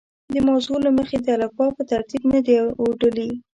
د موضوع له مخې د الفبا په ترتیب نه دي اوډلي.